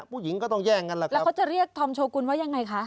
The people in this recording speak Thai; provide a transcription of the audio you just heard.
ผู้หญิงก็ต้องแย่งกันแหละครับแล้วเขาจะเรียกธอมโชกุลว่ายังไงคะ